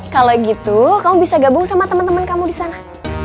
kalau gitu kamu bisa gabung sama teman teman kamu di sana